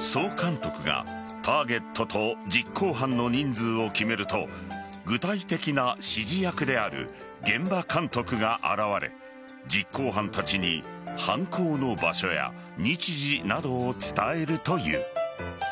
総監督が、ターゲットと実行犯の人数を決めると具体的な指示役である現場監督が現れ実行犯たちに犯行の場所や日時などを伝えるという。